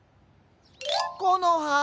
コノハ。